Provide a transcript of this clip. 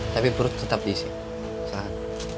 tapi perut tetap diisi